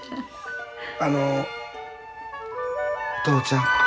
あのお父ちゃん。